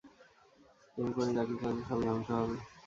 এর উপরে যা কিছু আছে সবই ধ্বংস হবে।